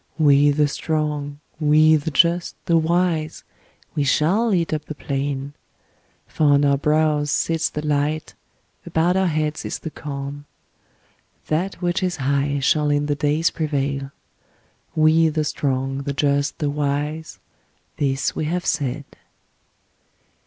We the strong, we the just, the wise, we shall eat up the plain. For on our brows sits the light, about our heads is the calm. That which is high shall in the days prevail. We the strong, the just, the wise, this we have said!'